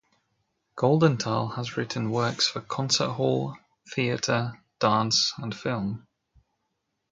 Goldenthal has written works for concert hall, theater, dance and film.